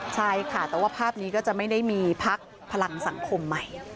ใช่ค่ะแต่ว่าภาพนี้ก็จะไม่ได้มีพักพลังสังคมใหม่